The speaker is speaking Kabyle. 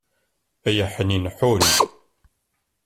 Ay Aḥnin, ḥun!